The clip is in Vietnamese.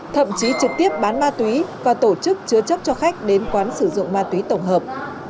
thậm chí trực tiếp bán ma túy và tổ chức chứa chấp cho khách đến quán sử dụng ma túy tổng hợp